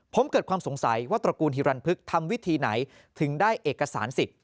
ผมเกิดความสงสัยว่าตระกูลฮิรันพึกทำวิธีไหนถึงได้เอกสารสิทธิ